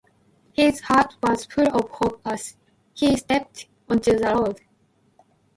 His heart was full of hope as he stepped onto the road.